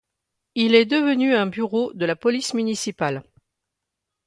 Il est devenu un bureau de la police municipale.